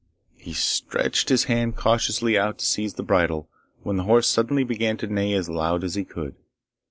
He stretched his hand cautiously out to seize the bridle, when the horse suddenly began to neigh as loud as he could.